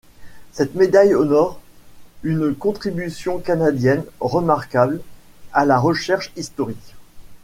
Cette médaille honore une contribution canadienne remarquable à la recherche historique.